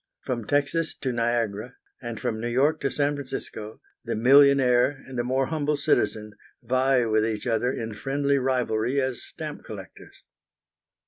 From Texas to Niagara, and from New York to San Francisco, the millionaire and the more humble citizen vie with each other in friendly rivalry as stamp collectors.